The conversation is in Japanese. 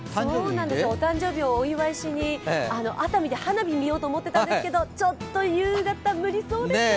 そうなんです、お誕生日をお祝いしに、熱海で花火を見ようと思っていたんですけど、ちょっと夕方、無理そうですよね。